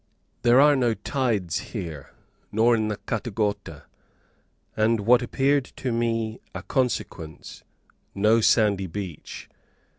There are no tides here, nor in the Cattegate, and, what appeared to me a consequence, no sandy beach.